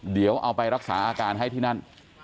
เดี๋ยวเอาไปรักษาอาการให้ที่นั่น